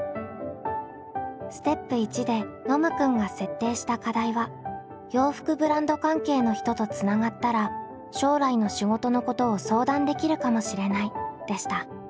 ステップ１でノムくんが設定した課題は「洋服ブランド関係の人とつながったら将来の仕事のことを相談できるかもしれない」でした。